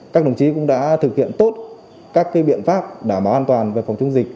các đồng chí cũng đã thực hiện tốt các biện pháp đảm bảo an toàn về phòng chống dịch